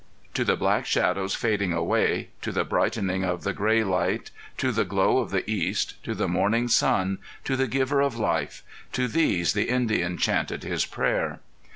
To the black shadows fading away, to the brightening of the gray light, to the glow of the east, to the morning sun, to the Giver of Life to these the Indian chanted his prayer.